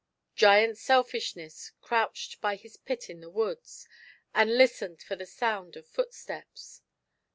Giant Selfishness crouched by his pit in the woods, and listened for the sound of footsteps.